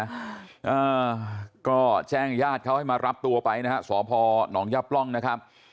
อ่าก็แจ้งญาติเขาให้มารับตัวไปนะฮะสพหนองย่าปล่องนะครับ